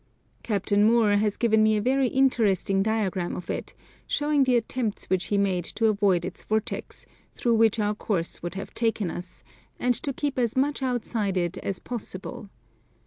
Captain Moor has given me a very interesting diagram of it, showing the attempts which he made to avoid its vortex, through which our course would have taken us, and to keep as much outside it as possible.